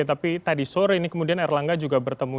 tapi tadi sore ini kemudian erlangga juga bertemu